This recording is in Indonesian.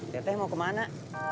tetes mau kemana